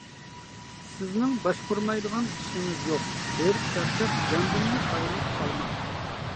سىزنىڭ باشقۇرمايدىغان ئىشىڭىز يوق، ھېرىپ-چارچاپ جاندىنمۇ ئايرىلىپ قالماڭ.